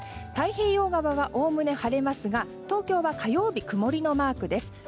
太平洋側はおおむね晴れますが東京は火曜日、曇りのマークです。